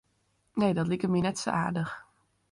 Nee, dat liket my net sa aardich.